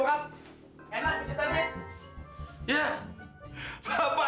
thank you bapak